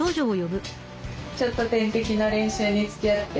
ちょっと点滴の練習につきあって。